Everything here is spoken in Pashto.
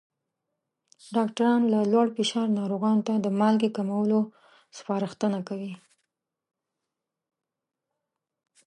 ډاکټران له لوړ فشار ناروغانو ته د مالګې کمولو سپارښتنه کوي.